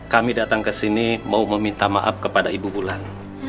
kami datang kesini mau meminta maaf kepada ibu bulan